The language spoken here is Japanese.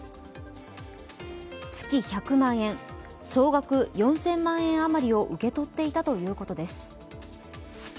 月１００万円、総額４０００万円余りを受け取っていたということです。